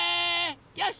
よし！